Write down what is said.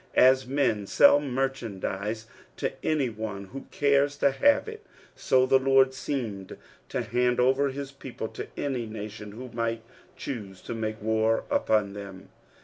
As men sell merchandise to any one who cares to have it, so the Lord seemed to hand over his people to any nation who might choose to make war upoD them.